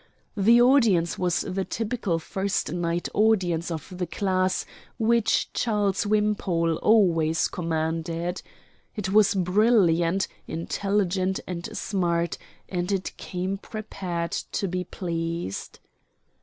The audience was the typical first night audience of the class which Charles Wimpole always commanded. It was brilliant, intelligent, and smart, and it came prepared to be pleased.